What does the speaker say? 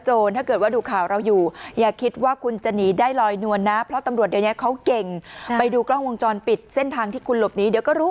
ใช้เวลาประมาณไม่ถึง๕นาที